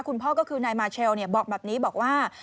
คุณพ่อก็คือนายมาเชลบอกแบบนี้บอกว่า